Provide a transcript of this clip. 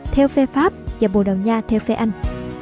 theo phê pháp và bồ đào nha theo phê anh